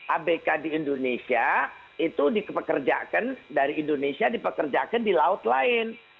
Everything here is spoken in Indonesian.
abk di indonesia itu dipekerjakan dari indonesia dipekerjakan di laut lain